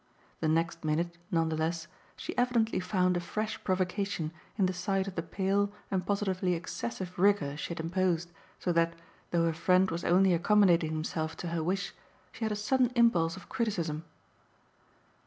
The next minute, none the less, she evidently found a fresh provocation in the sight of the pale and positively excessive rigour she had imposed, so that, though her friend was only accommodating himself to her wish she had a sudden impulse of criticism.